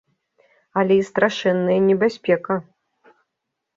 Але і страшэнная небяспека.